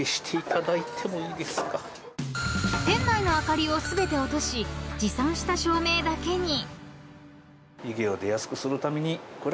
［店内の明かりを全て落とし持参した照明だけに］